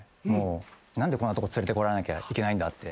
何でこんなとこ連れてこられなきゃいけないんだって。